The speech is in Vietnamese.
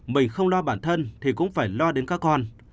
mình không lo bản thân thì cũng phải lo đến các con